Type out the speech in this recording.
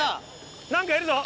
何かいるぞ。